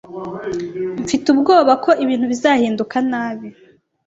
Mfite ubwoba ko ibintu bizahinduka nabi.